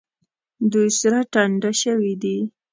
دوی سره ټنډه شوي دي.